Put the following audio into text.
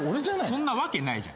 そんなわけないじゃん。